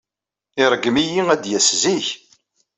Iṛeggem-iyi ad d-yas zik.